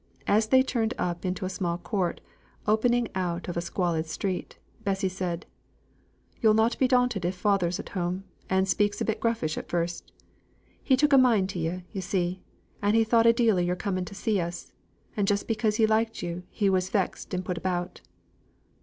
As they turned up into a small court, out of a squalid street, Bessy said, "Yo'll not be daunted if father's at home, and speaks a bit gruffish at first. He took a mind to ye, yo' see, and he thought a deal o' your coming to see us; and just because he liked yo' he was vexed and put about."